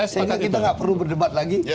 sehingga kita nggak perlu berdebat lagi